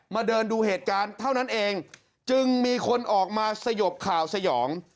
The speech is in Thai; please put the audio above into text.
เดินดูเหตุการณ์เท่านั้นเองจึงมีคนออกมาสยบข่าวสยอง